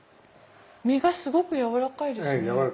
身がすごくやわらかいですね。